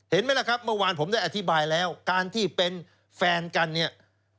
เห็นไหมล่ะครับเมื่อวานผมได้อธิบายแล้วการที่เป็นแฟนกันเนี่ย